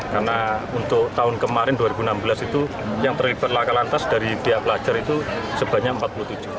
karena untuk tahun kemarin dua ribu enam belas itu yang terlibat lakal lantas dari pihak pelajar itu sebanyak empat puluh tujuh